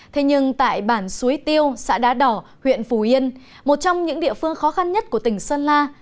thế nhưng tại bản suối tiêu xã đá đỏ huyện phù yên một trong những địa phương khó khăn nhất của tỉnh sơn la